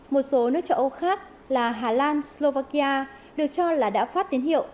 một số nước châu âu khác là hà lan slovakia được cho là đã phát tín hiệu